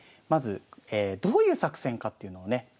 まずどういう作戦かっていうのをね